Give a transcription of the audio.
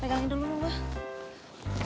pegangin dulu mbak